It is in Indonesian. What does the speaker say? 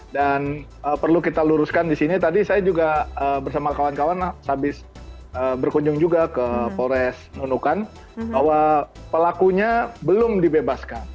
dan perlu kita luruskan di sini tadi saya juga bersama kawan kawan habis berkunjung juga ke polres nunukan bahwa pelakunya belum dibebaskan